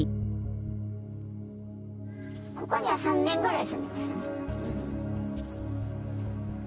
ここには３年ぐらい住んでましたね。